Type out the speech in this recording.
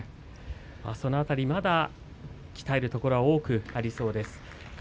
その辺り、まだ鍛えるところが多くありそうです、輝。